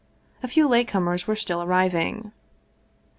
A few late comers were still arriving.